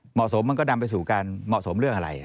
มันก็นำไปสู่การเหมาะสมเรื่องอะไร